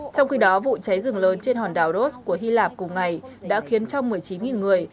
trong khi đó vụ cháy rừng lớn trên hòn đảo ros của hy lạp cùng ngày đã khiến trong một mươi chín người